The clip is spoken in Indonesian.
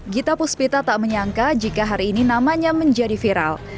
gita puspita tak menyangka jika hari ini namanya menjadi viral